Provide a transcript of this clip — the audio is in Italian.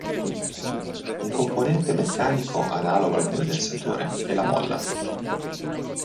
Un componente meccanico analogo al condensatore è la molla.